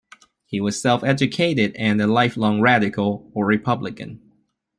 He was self-educated and a lifelong "Radical" or Republican.